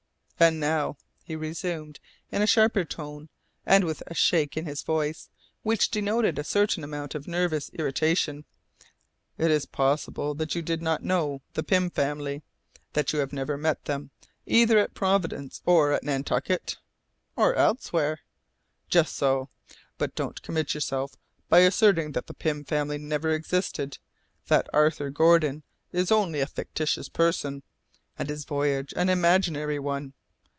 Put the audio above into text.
"And now," he resumed in a sharper tone and with a shake in his voice which denoted a certain amount of nervous irritation, "it is possible that you did not know the Pym family, that you have never met them either at Providence or at Nantucket " "Or elsewhere." "Just so! But don't commit yourself by asserting that the Pym family never existed, that Arthur Gordon is only a fictitious personage, and his voyage an imaginary one!